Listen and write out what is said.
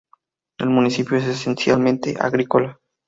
El municipio es esencialmente agrícola.